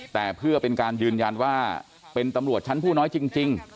แต่เพื่อเป็นการยืนยันว่าเป็นตำรวจชั้นผู้น้อยจริง